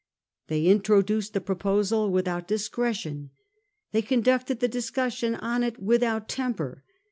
They introduced the proposal without discretion ; they conducted the discussion on it with out temper.